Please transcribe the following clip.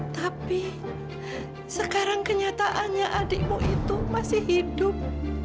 tapi sekarang kenyataannya adikmu itu masih hidup